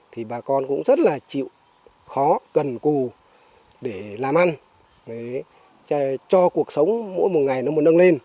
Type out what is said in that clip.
thì bà con cũng rất là chịu khó cần cù để làm ăn cho cuộc sống mỗi một ngày nó muốn nâng lên